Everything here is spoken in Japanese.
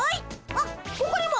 あっここにも。